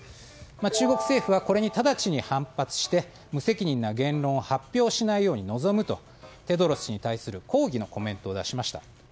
中国政府はこれに直ちに反発して無責任な言論を発表しないように望むとテドロス氏に対する抗議のコメントを出しました。